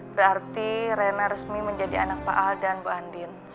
berarti rena resmi menjadi anak pak aldan bu andin